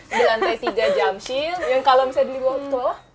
di lantai tiga jam shield yang kalau misalnya beli botol